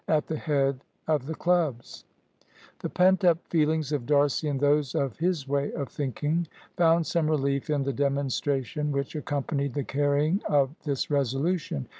at the head of the clubs. The pent up feelings of D'Arcy and those of his way of thinking found some relief in the demonstration which accompanied the carrying of this resolution.